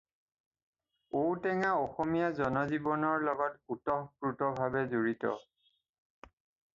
ঔ টেঙা অসমীয়া জনজীৱনৰ লগত ওতঃপ্ৰোতভাৱে জড়িত।